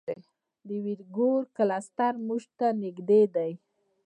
د ویرګو کلسټر موږ ته نږدې دی.